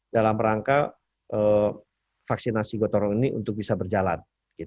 dalam rangka vaksinasi gotong ini untuk bisa berjalan